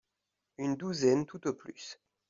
Une douzaine tout au plus